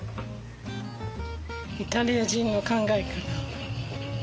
イタリア人の考えかな？